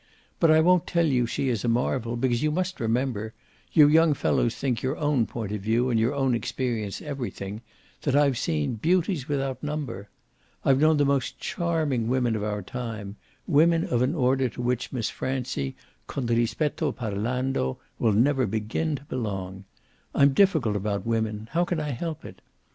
But I won't tell you she is a marvel, because you must remember you young fellows think your own point of view and your own experience everything that I've seen beauties without number. I've known the most charming women of our time women of an order to which Miss Francie, con rispetto parlando, will never begin to belong. I'm difficult about women how can I help it?